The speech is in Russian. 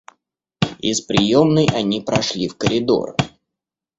Из приемной они прошли в коридор.